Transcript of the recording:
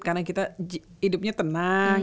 karena kita hidupnya tenang